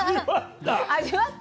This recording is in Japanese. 味わった。